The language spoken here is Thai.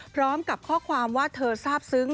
พร้อมกับข้อความว่าเธอทราบซึ้ง